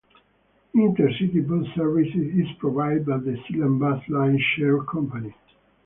Intercity bus service is provided by the Selam Bus Line Share Company.